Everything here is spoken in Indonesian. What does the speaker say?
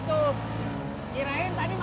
itu juga emang iya